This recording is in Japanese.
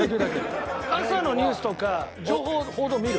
朝のニュースとか情報報道見る？